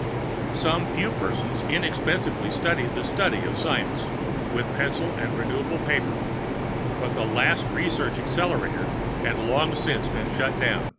Some few persons inexpensively studied the study of science with pencil and renewable paper, but the last research accelerator had long since been shut down.